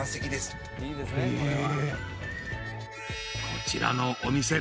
［こちらのお店］